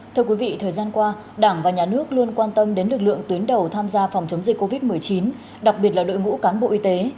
thưa quý vị thời gian qua đảng và nhà nước luôn quan tâm đến lực lượng tuyến đầu tham gia phòng chống dịch covid một mươi chín đặc biệt là đội ngũ cán bộ y tế